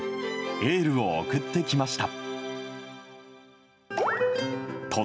エールを送ってきました。